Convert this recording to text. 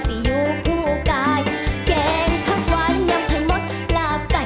ตอนพี่อยู่คู่กายแกงพักวันยังให้หมดลาบใจ